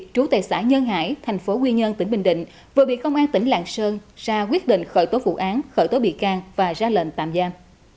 trú tại xã nhân hải thành phố quy nhơn tỉnh bình định vừa bị công an tỉnh lạng sơn ra quyết định khởi tố vụ án khởi tố bị can và ra lệnh tạm giam